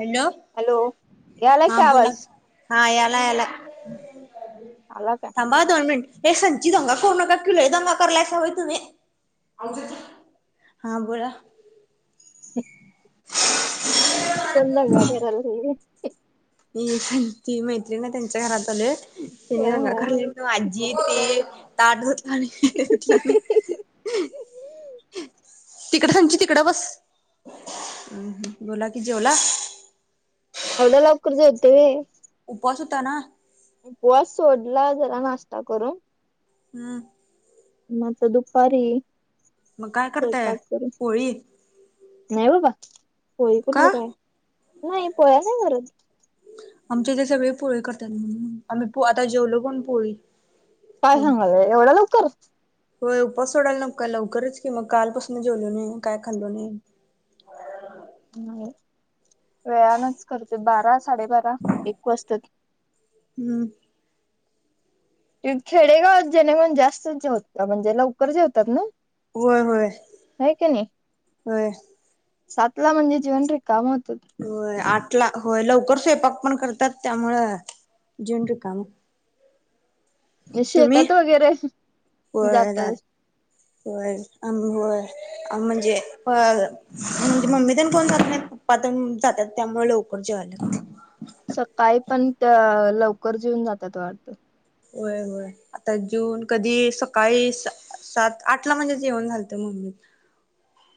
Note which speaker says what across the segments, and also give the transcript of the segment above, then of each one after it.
Speaker 1: Hello
Speaker 2: hello, यालाय
Speaker 1: हा
Speaker 2: काय
Speaker 1: बोला
Speaker 2: आवाज?
Speaker 1: हा, यालाय यालाय.
Speaker 2: आला काय?
Speaker 1: बा दोन मिनट, ए संची दंगा करू नका की, लय दंगा करायलायसा व्हय तुम्ही. हां बोला
Speaker 2: ह कोण दंगा कराल्यात? [inaudible]
Speaker 1: हे संची मैत्रीण हाय त्यांच्या घरात आलोय त्यानी
Speaker 2: हा
Speaker 1: दंगा
Speaker 2: हा
Speaker 1: कराल्यात. आजी ते ताट धुतलो नाही [inaudible] तिकड संची तिकडं बस, हं बोला कि जेवला?
Speaker 2: एवढया लवकर जेवतोय व्हय
Speaker 1: उपवास हूता ना
Speaker 2: उपवास सोडला, जरा नाश्ता करून
Speaker 1: हम्म
Speaker 2: म आता दुपारी,
Speaker 1: मग काय करताय
Speaker 2: स्वयंपाक करू
Speaker 1: पोळी
Speaker 2: नाही बाबा, पोळी कुठलं
Speaker 1: का
Speaker 2: काय, नाही पोळ्या नाही करत.
Speaker 1: आमच्या इथ सगळे पोळी करत्यात, आम्ही पो आता जेवलो पण पोळी.
Speaker 2: काय
Speaker 1: खाऊन
Speaker 2: सांगालाय एवढ्या लवकर.
Speaker 1: होय उपास सोडायला नको काय लवकरच की, मग कालपासून जेवलो नाही काय खाल्लो नाही.
Speaker 2: नाही, वेळानच करतोय बारा, साडेबारा, एक वाजतात.
Speaker 1: हम्म
Speaker 2: खेडेगावात जेणे म्हण जास्त जेवतात, म्हणजे लवकर जेवतात न?
Speaker 1: व्हय व्हय, व्हय
Speaker 2: सातला म्हणजे जेवून रेिकाम होतात.
Speaker 1: व्हय, आठला होय लवकर स्वयंपाक पण करतात त्यामुळ जेवून रीकाम.
Speaker 2: मी शेतात वगैरे जातोय
Speaker 1: व्हय आम व्हय आम म्हणजे अ म्हणजे मम्मी तेन कोण जात नाही, पप्पा तेन जात्यात त्यामुळ लवकर जेवायला लागतय.
Speaker 2: सकाळी पण लवकर जेऊन जातात वाटत.
Speaker 1: व्हय व्हय आता जेऊन कधी सकाळीच सात आठ ला म्हणजे जेवण झालतं.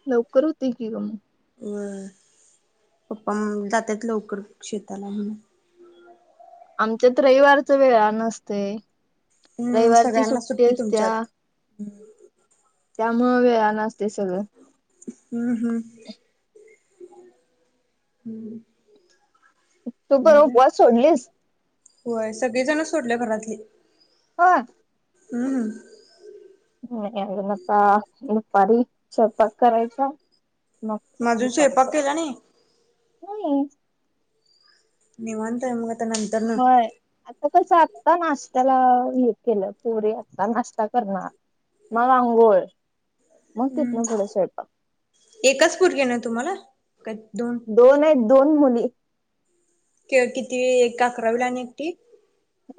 Speaker 2: लवकर होतय की ग.
Speaker 1: व्हय, पप्पा जात्यात लवकर शेताला.
Speaker 2: आमच्यात रविवारचा वेळान असतय.
Speaker 1: हम्म
Speaker 2: रविवारची
Speaker 1: सगळ्यांना
Speaker 2: सुट्टी असत्या.
Speaker 1: तुमच्यात
Speaker 2: त्यामुळ वेळान असतय सगळ.
Speaker 1: हं, हं.
Speaker 2: तू पण उपवास सोडलीस.
Speaker 1: होय सगळेजण सोडल घरातली.
Speaker 2: होय.
Speaker 1: हम्म.
Speaker 2: नाही अजुन, आता दुपारी स्वयंपाक करायचा.
Speaker 1: मग अजून स्वयंपाक केला नाही.
Speaker 2: नाही.
Speaker 1: निवांत आहे मग. आता नंतर न
Speaker 2: होय. आता कसं आत्ता नाश्त्याला हे केलं. पोरी आत्ता नाश्ता करणार. मग आंघोळ, मग
Speaker 1: हम्म
Speaker 2: तिथन पुढ स्वयंपाक.
Speaker 1: एकच पोरगी ना तुम्हाला, की दोन.
Speaker 2: दोन आहेत दोन मुली.
Speaker 1: किती एक अकरावी ला आणि एकटी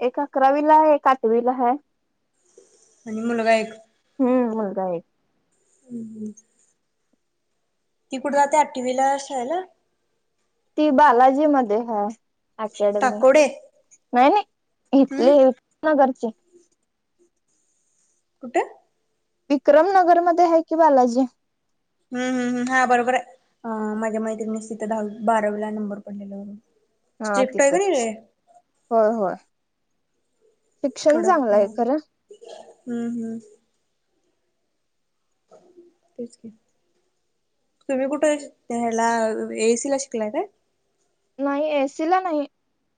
Speaker 2: एक अकरावीला, एक आठवीला हाय.
Speaker 1: आणि मुलगा एक.
Speaker 2: हम्म मुलगा एक
Speaker 1: हं. ती कुठ जात्या आठवीला शाळेला.
Speaker 2: ती बालाजी मध्ये हाय, अकॅडमी
Speaker 1: टाकोडे
Speaker 2: नाही नाही
Speaker 1: हम्म
Speaker 2: इथल्या इथ. नगरचे.
Speaker 1: कुठे.
Speaker 2: विक्रमनगर मध्ये आहे की बालाजी.
Speaker 1: हम्म हम्म हा बरोबर आहे. माझ्या मैत्रिणीच तिथं दहावी, बारावीला नंबर पडलेला.
Speaker 2: हा
Speaker 1: स्ट्रिक्ट आहे का नाही
Speaker 2: तिथेच
Speaker 1: रे
Speaker 2: होय होय. शिक्षण
Speaker 1: कडक
Speaker 2: चांगलं
Speaker 1: पण
Speaker 2: आहे
Speaker 1: हाय.
Speaker 2: खरं
Speaker 1: हं, हं. तेच की. तुम्ही कुठ, त्या ह्याला एएससी ला शिकलाय काय.
Speaker 2: नाही एएससिला नाही,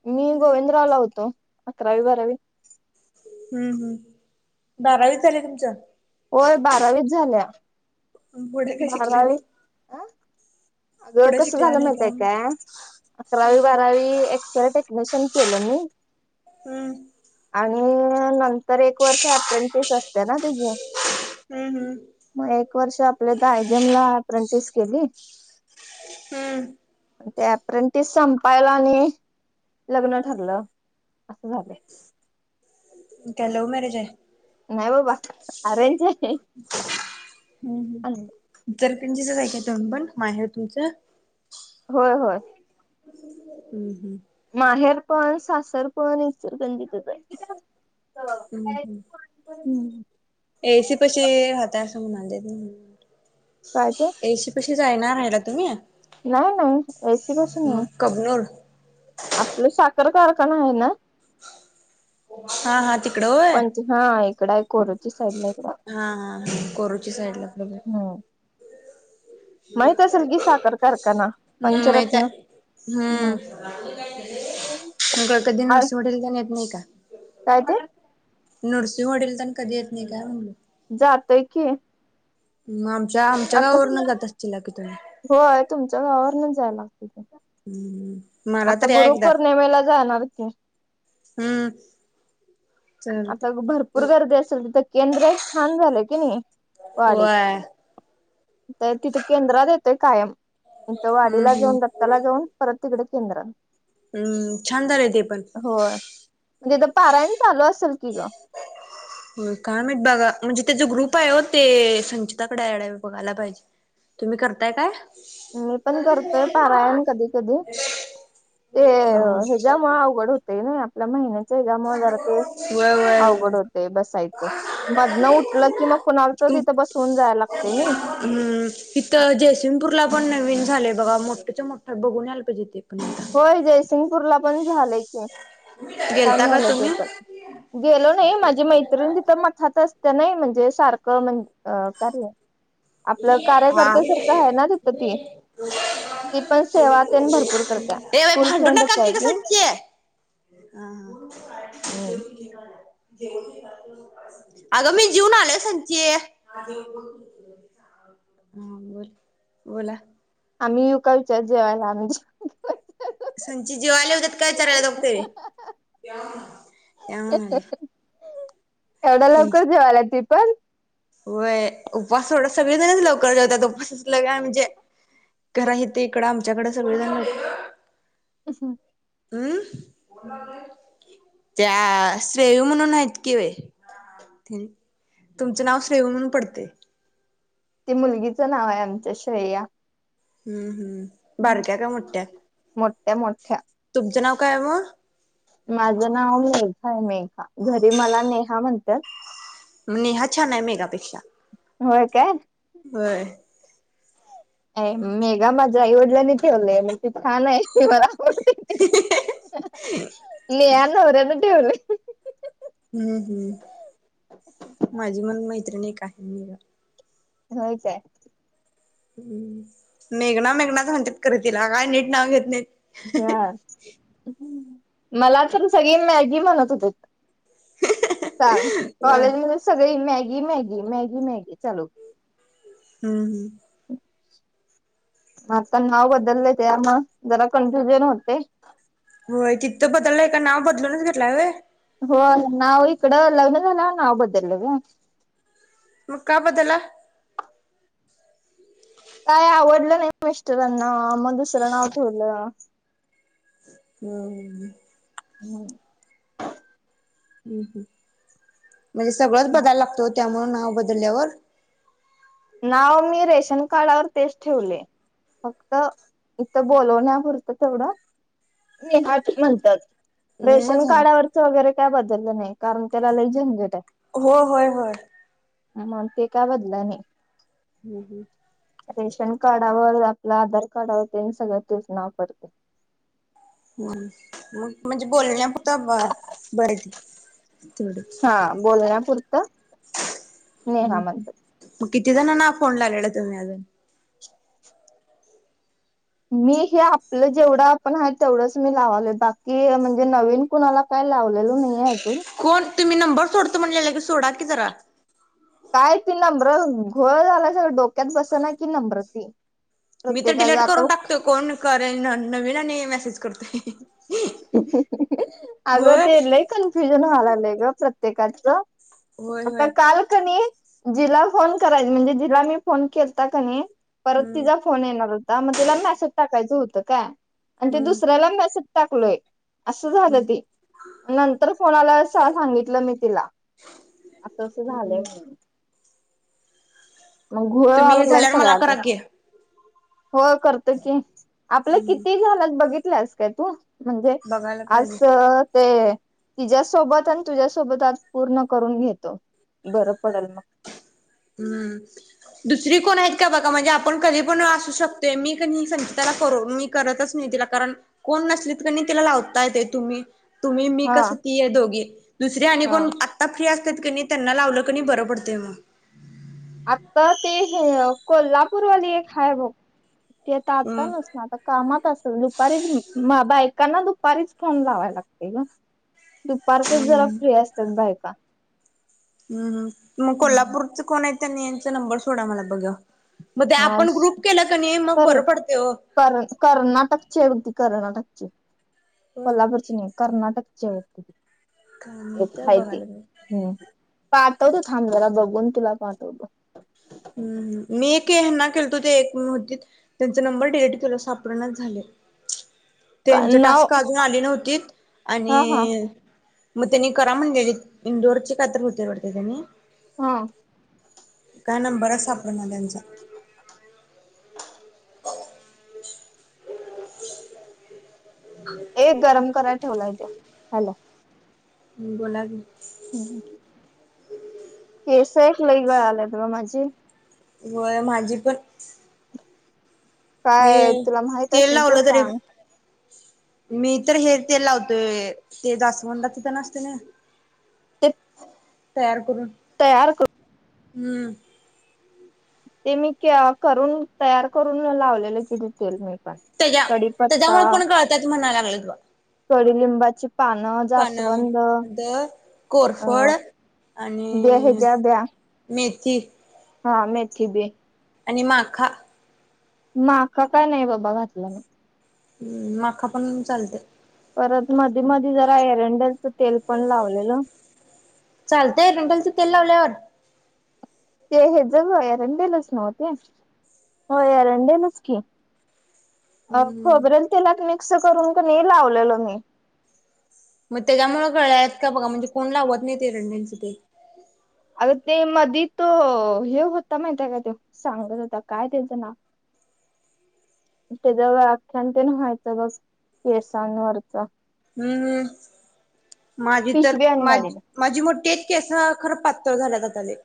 Speaker 2: मी
Speaker 1: हम्म
Speaker 2: गोविंदरावला होतो अकरावी, बारावी.
Speaker 1: हम्म, हम्म बारावी झाल्या तुमची.
Speaker 2: होय बारावीच झाल्या.
Speaker 1: पुढे काय शिकला
Speaker 2: बारावी
Speaker 1: नाही
Speaker 2: अगं
Speaker 1: पुढे
Speaker 2: कस
Speaker 1: शिकला
Speaker 2: झाल
Speaker 1: नाही
Speaker 2: माहिताय काय,
Speaker 1: हम्म
Speaker 2: अकरावी बारावी त्याला टेक्निशियन केलं मी.
Speaker 1: हम्म.
Speaker 2: आणि नंतर एक वर्ष अप्रेंटिस असते ना त्याची.
Speaker 1: हम्म
Speaker 2: मग एक वर्ष आपल्या इथ आयजीएम ला अप्रेंटिस केली.
Speaker 1: हम्म.
Speaker 2: ते अप्रेंटिस संपायला आणि लग्न ठरलं, असं झाल.
Speaker 1: काय लव मॅरेज आहे.
Speaker 2: नाही बाबा. अरेंज आहे.
Speaker 1: इचलकरंजीत हाय का तुम्ही पण? माहेर तुमचं.
Speaker 2: होय होय.
Speaker 1: हम्म हम्म.
Speaker 2: माहेर पण सासर पण इचलकरंजीत आहे.
Speaker 1: हम् हम्.
Speaker 2: हम्म‌.
Speaker 1: एसी पशी राहाता असं म्हणाले त.
Speaker 2: काय ते?
Speaker 1: एशी पशीच हाय ना राहायला तुम्ही?
Speaker 2: नाही नाही एसी पाशी नाही.
Speaker 1: कब्नूर.
Speaker 2: आपलं साखर कारखाना आहे ना.
Speaker 1: हा हा तिकडो होय.
Speaker 2: पंच हा इकड आहे कोरची साईड ला.
Speaker 1: हा हा कोरुची साईड ला.
Speaker 2: हम्म. माहित असेल की साखर कारखाना
Speaker 1: हम्. माहित
Speaker 2: पंचरत्न
Speaker 1: हाय. हम्म. म काय कधी नरसिंहवाडीला तेन येत नाही का?
Speaker 2: काय ते?
Speaker 1: नृसिंहवाडी तेण कधी येत नाही काय म्हणलं.
Speaker 2: जातय की.
Speaker 1: मग आमच्या आमच्या
Speaker 2: आता
Speaker 1: गावावरनच जात असतील ला की तुम्ही?
Speaker 2: होय. तुमचं गावावरण जायला लागत.
Speaker 1: [unintelligible]
Speaker 2: आता
Speaker 1: तर या एकदा
Speaker 2: गुरुपौर्णिमेला जाणार की.
Speaker 1: हम्म. चालतंय
Speaker 2: आता भरपूर गर्दी असेल तिथ केंद्र एक छान झालंय की नाही. वाडीत
Speaker 1: होय.
Speaker 2: तर तिथे केंद्रात येतोय कायम. तिथे थ
Speaker 1: हम्म
Speaker 2: वाडीला
Speaker 1: हम्म.
Speaker 2: जाऊन दत्ताला जाऊन परत तिकडे केंद्रात.
Speaker 1: हम्म. छान झालंय ते पण.
Speaker 2: होय. म्हणजेथ पारायन चालू असेल की ग.
Speaker 1: होय काय मा बघा म्हणजे तेच ग्रुप आहे हो ते संचिताकडेडवे बघायला पाहिजे. तुम्ही करताय काय?
Speaker 2: मी पण करतोय पारायण कधी कधी. ते हच्यामुळ अवघड ते नाही आपल्या महिन्याच्या हिज्यामुळ ते
Speaker 1: व्हय व्हय
Speaker 2: अवघड
Speaker 1: व्हय.
Speaker 2: होते बसायचं. मध न उठलं कि मग कुणाला तर‌ तिथं बसवून जायला लागते नाही.
Speaker 1: हम्. इथं जयसिंगपूरला पण नवीन झालेय बघा मोठच्या मोठ हाय बघून यायला पाहिजे ते पण.
Speaker 2: होय. जयसिंगपूरला पण झालंय क छान
Speaker 1: गेलता का
Speaker 2: झालंय ते
Speaker 1: तुम्ही
Speaker 2: पण. गेलो नाही माझी मैत्रिणी तिथं मथाात असते नाही म्हणजे सारखं म्हण अ का आपलं
Speaker 1: हा
Speaker 2: कार्यकर्ते्यासारखं आहे ना तिथ ती. ती पण सेवा ते भरपूर करते.
Speaker 1: ए बाई भांडू न का की सनची.
Speaker 2: हम्म
Speaker 1: अगं मी जीऊन आलो संचे. हा बोल बोला.
Speaker 2: आम्ही युका विच्यार जेवायला आमही.
Speaker 1: संची जेवायला येवू देत काय विचारायलात बघ ते? या म्हणाले.
Speaker 2: एवढ्या लवकर जेवाल्या ती पण.
Speaker 1: वय, उपवास सोडा सगळेजणच लवकर जेवतात उपवासाच ल म्हणजे. कारण हिथं इकडे आमच्याकडं सगळे जण मधे
Speaker 2: अं
Speaker 1: हम्म,, त्या श्रेयू म्हणून आहेत कि बाई. तुमचं नाव श्रेयू म्हणून पडतय.
Speaker 2: ते मुलगीचं नाव आय आमच्या श्रेया.
Speaker 1: हम्म हम्म, बारक्या काय मोठ्या,,
Speaker 2: मोठ्या मोठ्या
Speaker 1: तुमचं नाव कायय मग?
Speaker 2: माझं नाव मेघा आहे मेघा, घरी मला नेहा म्हणत्यात.
Speaker 1: नेहा छान आहे मेघा पेक्षा.
Speaker 2: होय काय?
Speaker 1: होय.
Speaker 2: अ मेघा माझ्या आईवडिलांनी ठेवलंय, म ते छान आहे, ते मला आवडतं. नेहा नवर्यानं ठेवलय.
Speaker 1: हम्म हम्म,, माझी मण मैत्रिणी एक आहे नेहा.
Speaker 2: होय काय.
Speaker 1: हम्म, मेघना मेघनाच म्हणत्यात खरं तिला, काय नीट नाव घेत नाहीत.
Speaker 2: हा, मला पण सगळी मॅगी म्हणत होते. सांग,
Speaker 1: होय
Speaker 2: कॉलेज मध्ये सगळी मॅगी मॅगी मॅगी मॅगी चालू.
Speaker 1: हम्म हम्म.
Speaker 2: आता नाव बदललय त्यामुळं,,, जरा कन्फ्युजन होतय.
Speaker 1: होय तिथं बदललंय, का नाव बदलूनच घेतलाय व्हय.
Speaker 2: हो नाव इकडं, लग्न झाल्यावर नाव बदलल गं.
Speaker 1: मग का बदलला?
Speaker 2: काय आवडलं नाही मिस्टरांना मग दुसरं नाव ठेवलं.
Speaker 1: हम्म.
Speaker 2: हम्. [inaudible]
Speaker 1: हम्म हं,, म्हणजे सगळंच बदायला लागतं ओ त्यामुळं नाव बदलल्यावर.
Speaker 2: नाव मी रेशन कार्डावर तेच ठेवलय. फक्त, इथं बोलवण्यापुरतं तेवढं. नेहाच म्हणत्यात.
Speaker 1: मग
Speaker 2: रेशन
Speaker 1: झालं
Speaker 2: कार्डावरच वगैरे काय बदललं नाही,, कारण त्याला लई झंजट आय.
Speaker 1: हो होय होय.
Speaker 2: मग ते काय बदलाय नाय.
Speaker 1: हम्म हम्म.
Speaker 2: रेशन कार्डावर आपलं आधार कार्डवर तेन सगळं तेच नाव पडतय.
Speaker 1: हम्म, मग म्हणजे बोलण्या पुरतं बर त थडी
Speaker 2: हा, बोलण्या पुरतं
Speaker 1: हम्म, मग किती जणांना फोन लावलेला तुम्ही अजून.?
Speaker 2: मी हे आपलं जेवढं आपण आहे, तेवढंच मी लावालोय, बाकी म्हणजे नवीन कुणाला काय लावलेलो नाहीेये अजून.
Speaker 1: कोण, तुम्ही नंबर सोडतो म्हणलेलं की सोडा की जरा.
Speaker 2: काय ती नंबरं घोळ झालाय स डोक्यात बसना कि नंबरं ती.
Speaker 1: मी तरं
Speaker 2: प्रत्येकाच
Speaker 1: डिलेट करूंन
Speaker 2: आता
Speaker 1: टाकतोय कोणं करे नवीन आणि मेसेज करतोय
Speaker 2: हं हं हं अगं
Speaker 1: होय
Speaker 2: ते लंय ही कन्फ्युंजन झालं व्हायलंय गं प्रत्येकाचं
Speaker 1: होय होय
Speaker 2: आंता कांल कनी जिलां मी फोन करायचां म्हणजे जिलां केतां कनी परंत
Speaker 1: हम्म
Speaker 2: तिचां फोन येणारं होतां मगं तिलां मेसेज टाकायचं होतं कायं आणि ते
Speaker 1: हम्म
Speaker 2: दुसऱ्यांला मेसेज टाकलोय असं झालं ती नंतर फोन आंला मगं सांगितलं मी तिलां असं असं झालंय
Speaker 1: हम्म.
Speaker 2: म्हंणे मंग घोळं
Speaker 1: तुम्ही हे
Speaker 2: अलगंलायं
Speaker 1: झाल्यावर
Speaker 2: संग
Speaker 1: मला
Speaker 2: आं ते
Speaker 1: करा की
Speaker 2: हो करतं की आपलं किती झालं बघितलंस कायं तूं म्हणजे
Speaker 1: बघायला पाहिजे
Speaker 2: आजचं ते तिझ्यांसोबतं आणि तुझ्यांसोबतं आंज पूर्ण करूंन घेतो बरं पडेल मंग
Speaker 1: हम्मं दुसरी कोणं आहेतं कां बांघ म्हणजे आपणं कधीं पणं अंसू शकतोय मी पणं संगीताला करूंन मी करतंच नाहीं तिलां कारणं कोणं नसली की तिलां लावतां येते तुम्हीं तुंम्ही मी
Speaker 2: हा
Speaker 1: कसं तीयं दोघी दुसरे आणि
Speaker 2: हा
Speaker 1: कोणं आंता फ्री असतेात की त्यांना लावलं कणी बरं पडतंय मंग
Speaker 2: आंता ते हे कोल्हापूरवाली एक हांय बघं ते आं आंता
Speaker 1: हम्म
Speaker 2: नसं नां आंता कामांत असेल दुपारीचं बां बायकांना दुपारीचं फोन लांवा लागते गं दुपारचं चं जरां
Speaker 1: हम्म.
Speaker 2: फ्री असतांत बायकां
Speaker 1: हम्मं मंग कोल्हापूरचं कोणं आहे त्यांनी यांचा नंबर सोडां मलां बघां मंग ते
Speaker 2: हा
Speaker 1: आपणं ग्रुंप केलां की नाहीं मंग बरं
Speaker 2: सॉरी
Speaker 1: पडते आं हो
Speaker 2: कर कर्नाटकची एगंती कर्नाटक ची कोल्हापूरची नाहीं कर्नाटकचे आहे ते
Speaker 1: काय माहित
Speaker 2: हेचं आहे ते
Speaker 1: बघायला
Speaker 2: हम्मं पाहतो तरं पाठवतं थांब जरां बघूंन तुंला पाठवतं
Speaker 1: हं मी एक यांना केलतो ते एकतं त्यांचा नंबर डिलीट केलां सापडेणाचं झाले
Speaker 2: का
Speaker 1: त्यांच
Speaker 2: नाव
Speaker 1: टास्कं अजूंन आले नव्हती आणि
Speaker 2: हा हा
Speaker 1: मंग त्यांनी करां म्हणलेले इंंदोर चे कांतरं होते वरते त्यांनी
Speaker 2: हां
Speaker 1: कायं नंबर आहे सापडे वाल्यांचा
Speaker 2: एक गरमं करांयला ठेवलायेते हॉलो
Speaker 1: बोलां
Speaker 2: हम्मं केस लई गळांलेत गं माझे
Speaker 1: व्हयं माझी पणं ये
Speaker 2: काय तुला माहित
Speaker 1: तेल
Speaker 2: असलं तर
Speaker 1: लावलं तरी
Speaker 2: सांग
Speaker 1: मी तरं हे तेल लावतोय ते दासवंला तिथं नसते नां
Speaker 2: ते
Speaker 1: तयार करूंन
Speaker 2: तयार करूंन
Speaker 1: हम्मं
Speaker 2: ते मी करूंन तयार करूंन लावलेलं किती तेल मी पणं
Speaker 1: त्यांच्या त्यांच्यामुळे पणं कळंतयाचं म्हंणा लागलं तुं
Speaker 2: कडुलिंबाची पानं
Speaker 1: पानं
Speaker 2: जास्वंद
Speaker 1: द कोरफड
Speaker 2: अं बे हजारो बदयां
Speaker 1: मीरची
Speaker 2: हा मेथी बी.
Speaker 1: आणि माखा
Speaker 2: माख काय नाय बाबा घातला मी.
Speaker 1: हम्म, माखा पण चालतंय.
Speaker 2: परत मधी मधी जरा एरंडेलच तेल पण लावलेलं.
Speaker 1: चालतंय एरंडेलच तेल लावल्यावर?
Speaker 2: ते हेज ग एरंडेलच नाव ते? हो एरंडेलच की. अ
Speaker 1: हम्म
Speaker 2: खोबरेल तेलात मिक्स करून क नी मिक्स करून लावलेलो मी.
Speaker 1: मग त्याज्यामुळं गळल्यात का बघा, म्हणजे कोण लावत नाय एरंडेलच तेल.
Speaker 2: अग ते मधी तो हे होता माहिती हाय काय त्यो सांगत होता काय त्यांचं नाव
Speaker 1: [inaudible]
Speaker 2: तेच व्याख्यान तेन व्हायचं बघ केसांवरचा.
Speaker 1: हम्म, माझी तर
Speaker 2: पिशवी आणि
Speaker 1: माझी
Speaker 2: गाडीला
Speaker 1: माझी मोठी आयत केसं खरं पातळ झाल्यात आता लय.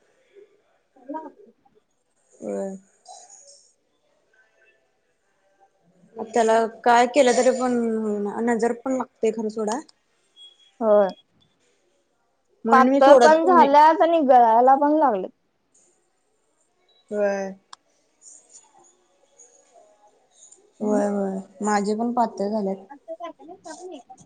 Speaker 2: [unintelligible]
Speaker 1: व्हय. त्याला काय केलं तरी पण नजर पण लागतय खर सोडा.
Speaker 2: होय.
Speaker 1: म्हणून मी
Speaker 2: पातळ
Speaker 1: सोडत
Speaker 2: पण
Speaker 1: नाही.
Speaker 2: झाल्यात आणि गळायला पण लागल्यात.
Speaker 1: व्हय. व्हय
Speaker 2: लागलेत
Speaker 1: व्हय माझी पण पातळ झाल्यात.
Speaker 2: तिथ कारखान्यात काम नाय काय?